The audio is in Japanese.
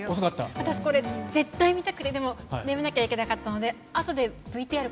私、これ絶対見たくてでも、寝なきゃいけなかったのであとでこれ、ＶＴＲ。